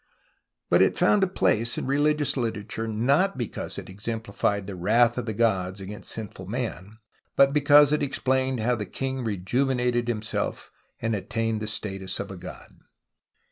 But it found a place in religious literature, not because it exemplified the wrath of the gods against sinful man, but because it explained how the king rejuvenated himself and attained the status of a god.